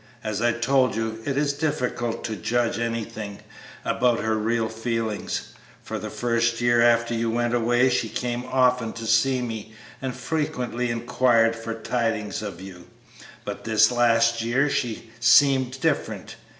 As I told you, it is difficult to judge anything about her real feelings. For the first year after you went away she came often to see me and frequently inquired for tidings of you, but this last year she has seemed different.